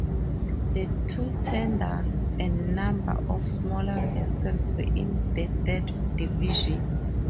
The two tenders and number of smaller vessels were in the third division.